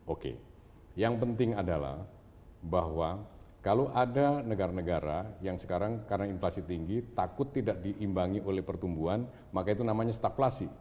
oke yang penting adalah bahwa kalau ada negara negara yang sekarang karena inflasi tinggi takut tidak diimbangi oleh pertumbuhan maka itu namanya staflasi